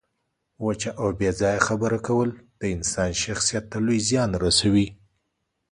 وچه او بې ځایه خبره کول د انسان شخصیت ته لوی زیان رسوي.